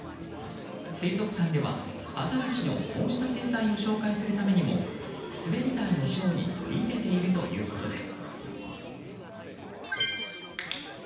水族館ではアザラシのこうした生態を紹介するためにも滑り台を、ショーに取り入れているということです。